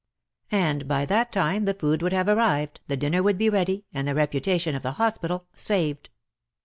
And by that time the food would have arrived, the dinner would be ready and the reputation of the hospital saved.